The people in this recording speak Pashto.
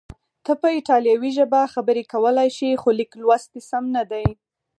ته په ایټالوي ژبه خبرې کولای شې، خو لیک لوست دې سم نه دی.